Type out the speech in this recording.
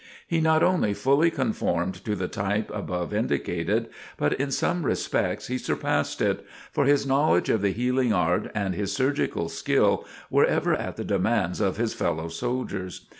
He not only fully conformed to the type above indicated but in some respects he surpassed it, for his knowledge of the healing art and his surgical skill were ever at the demands of his fellow soldiers.